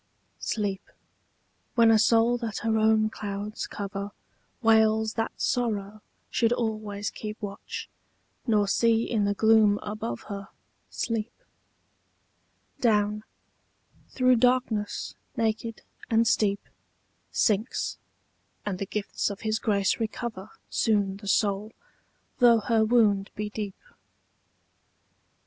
SLEEP, when a soul that her own clouds cover Wails that sorrow should always keep Watch, nor see in the gloom above her Sleep, Down, through darkness naked and steep, Sinks, and the gifts of his grace recover Soon the soul, though her wound be deep.